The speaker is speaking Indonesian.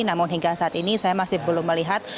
namun hingga saat ini saya masih belum melihat